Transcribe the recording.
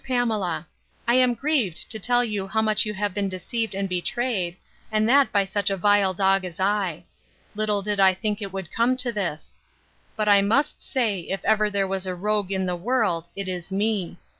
PAMELA, 'I am grieved to tell you how much you have been deceived and betrayed, and that by such a vile dog as I. Little did I think it would come to this. But I must say, if ever there was a rogue in the world, it is me.